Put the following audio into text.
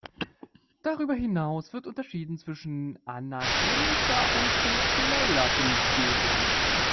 Darüber hinaus wird unterschieden zwischen "anatomischer" und "funktioneller Bildgebung".